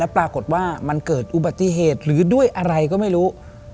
ปรากฏว่ามันเกิดอุบัติเหตุหรือด้วยอะไรก็ไม่รู้